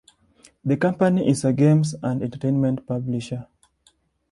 The company is a games and entertainment publisher.